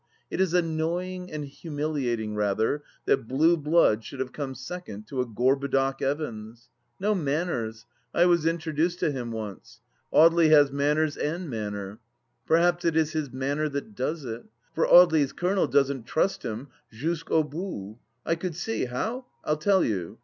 It is annoying and humiliating, rather, that Blue Blood should have come second to a Gorbudoc Evans. No manners — I was introduced to him once. Audely has manners and manner. Perhaps it is his manner that docs it. For Audely 's colonel doesn't trust him jusqu' au bout. I could see. How ? I'll tell you.